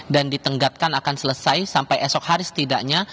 ditenggatkan akan selesai sampai esok hari setidaknya